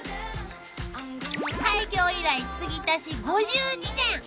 ［開業以来つぎ足し５２年。